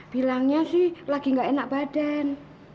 bilangnya sih lagi gak enak badan